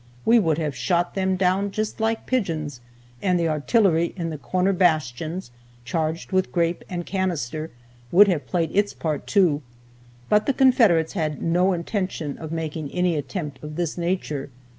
We would have shot them down just like pigeons, and the artillery in the corner bastions, charged with grape and canister, would have played its part too. But the Confederates had no intention of making any attempt of this nature.